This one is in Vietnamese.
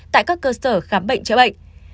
tại các cơ sở khám bệnh chữa bệnh